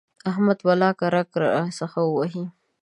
احمد ولاکه رګ راڅخه ووهي.